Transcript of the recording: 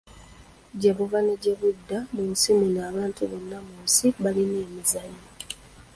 Gye buva ne gye budda mu nsi muno abantu bonna mu nsi balina emizannyo.